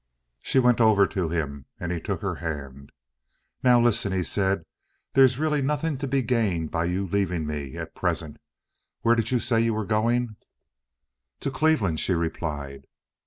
She went over to him, and he took her hand. "Now, listen," he said. "There's really nothing to be gained by your leaving me at present. Where did you say you were going?" "To Cleveland," she replied.